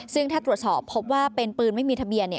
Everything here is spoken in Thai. ซึ่งถ้าตรวจสอบพบว่าเป็นปืนไม่มีทะเบียน